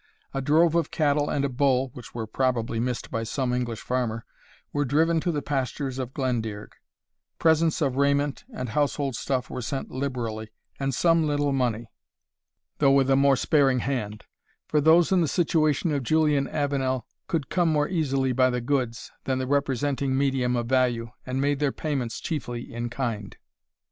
A drove of cattle and a bull (which were probably missed by some English farmer) were driven to the pastures of Glendearg; presents of raiment and household stuff were sent liberally, and some little money, though with a more sparing hand: for those in the situation of Julian Avenel could come more easily by the goods, than the representing medium of value, and made their payments chiefly in kind.